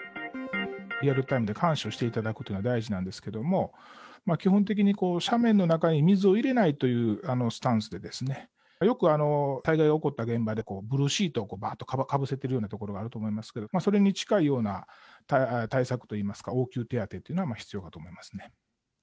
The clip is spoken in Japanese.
リアルタイムで監視をしていただくということが大事なんですけど、基本的にこう、斜面の中に水を入れないというスタンスで、よく災害起こった現場でブルーシートをばーっとかぶせている所があると思いますけど、それに近いような対策といいますか、応急手当というのが必要かと思いますね。